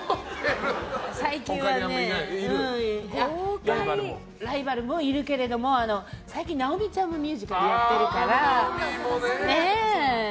最近はライバルもいるけれども最近、直美ちゃんもミュージカルやってるから。